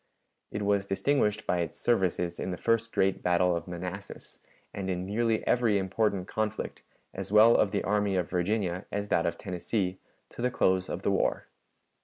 It was distinguished by its services in the first great battle of Manassas, and in nearly every important conflict, as well of the army of Virginia as that of Tennessee, to the close of the war.